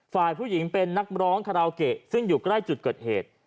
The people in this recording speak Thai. ฝ่ายผู้หญิงเป็นนักร้องคาราโอเกะซึ่งอยู่ใกล้จุดเกิดเหตุ